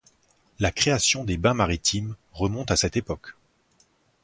La création des bains maritimes remonte à cette époque.